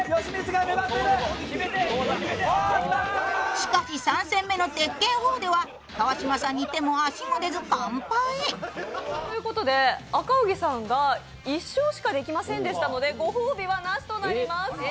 しかし、３戦目の「鉄拳４」では、川島さんに手も足も出ず、完敗。ということで赤荻さんが１勝しかできませんでしたのでご褒美はなしとなります。